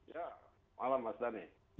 ya malam mas dhani